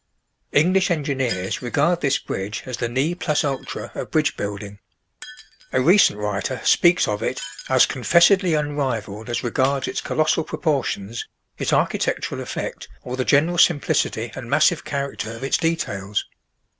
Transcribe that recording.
English engineers regard this bridge as the ne plus ultra of bridge building. A recent writer speaks of it as "confessedly unrivaled as regards its colossal proportions, its architectural effect, or the general simplicity and massive character of its details."